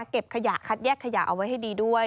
เก็บขยะคัดแยกขยะเอาไว้ให้ดีด้วย